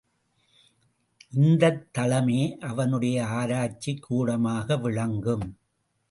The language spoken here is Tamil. இந்தத் தளமே அவனுடைய ஆராய்ச்சிக்கூடமாக விளங்கும்.